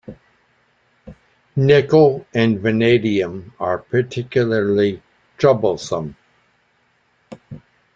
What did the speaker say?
Nickel and vanadium are particularly troublesome.